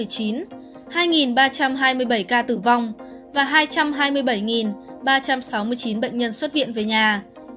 hai ba trăm hai mươi bảy ca tử vong và hai trăm hai mươi bảy ba trăm sáu mươi chín bệnh nhân xuất viện về nhà